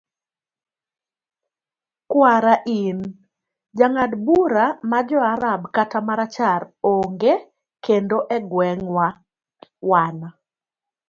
kwara in, jang'ad bura ma joarab kata marachar onge kendo e gweng',wan